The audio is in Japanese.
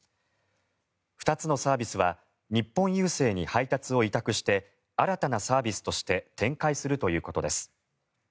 ２つのサービスは日本郵政に配達を委託して新たなサービスとして展開するということです。